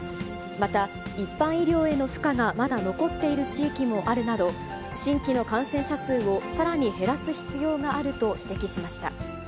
また、一般医療への負荷がまだ残っている地域もあるなど、新規の感染者数をさらに減らす必要があると指摘しました。